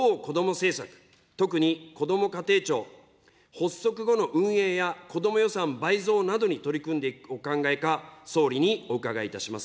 政策、特にこども家庭庁発足後の運営や、こども予算倍増などに取り組んでいくお考えか、総理にお伺いいたします。